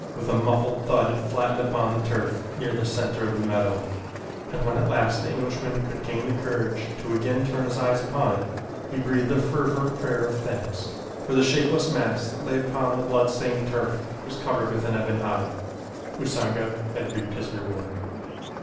With a muffled thud it flattened upon the turf near the center of the meadow, and when at last the Englishman could gain the courage to again turn his eyes upon it, he breathed a fervent prayer of thanks, for the shapeless mass that lay upon the blood stained turf was covered with an ebon hide. Usanga had reaped his reward.